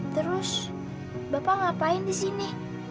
terus bapak ngapain di sini